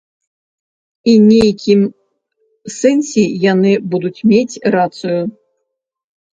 І нейкім сэнсе яны будуць мець рацыю.